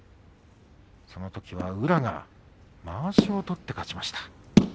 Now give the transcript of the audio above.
そのときは宇良がまわしを取って勝ちました。